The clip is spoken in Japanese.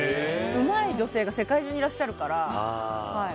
うまい女性が世界中にいらっしゃるから。